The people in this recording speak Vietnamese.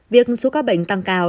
việc số ca bệnh tăng cao